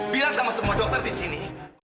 biar sama semua dokter di sini